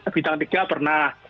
bidang tiga pernah